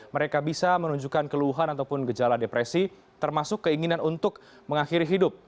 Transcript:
mereka bisa menunjukkan keluhan ataupun gejala depresi termasuk keinginan untuk mengakhiri hidup